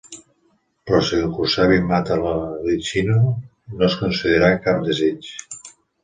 Però si el kusabi mata l'alichino, no es concedirà cap desig.